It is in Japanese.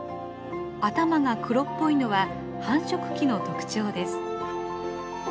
頭が黒っぽいのは繁殖期の特徴です。